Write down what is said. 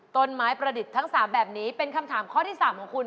ต้นไม้ประดิษฐ์ทั้งสามแบบนี้เป็นคำถามข้อที่สามของคุณ